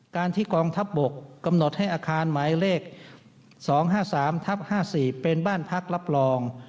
การที่กองทัพบกกำหนดให้อาคารหมายเลข๒๕๓ทับ๕๔เป็นบ้านพักรับรอง